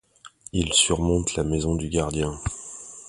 Il surmonte la maison du gardien.